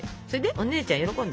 お姉ちゃん喜んだ？